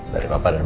dari papa dan mama